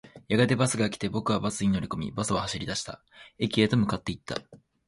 やがてバスが来て、僕はバスに乗り込み、バスは走り出した。駅へと向かっていった。